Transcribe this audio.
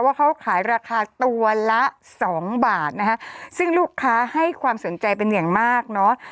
ว่าเขาขายราคาตัวละสองบาทนะคะซึ่งลูกค้าให้ความสนใจเป็นอย่างมากเนอะ